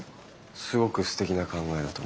すごくすてきな考えだと思う。